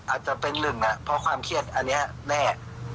อาจจะเป็น๑น่ะพอความเครียดอันนี้แม่